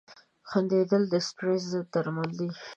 • خندېدل د سټرېس ضد درمل دي.